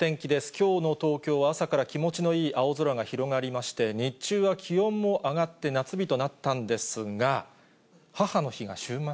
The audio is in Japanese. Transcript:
きょうの東京は朝から気持のいい青空が広がりまして、日中は気温も上がって、夏日となったんですが、母の日が週末？